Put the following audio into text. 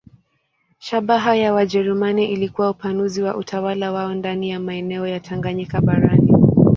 Shabaha ya Wajerumani ilikuwa upanuzi wa utawala wao ndani ya maeneo ya Tanganyika barani.